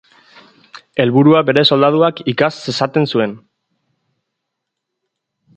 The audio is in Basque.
Helburua bere soldaduak ikas zezaten zuen.